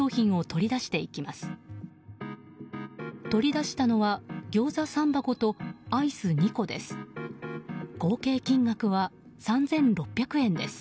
取り出したのはギョーザ３箱とアイス２個です。